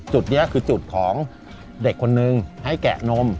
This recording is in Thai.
จุดนี้คือจุดของเด็กคนนึงให้แกะนม